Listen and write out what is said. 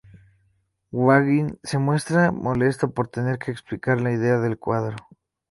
Gauguin se muestra molesto por tener que explicar la idea del cuadro.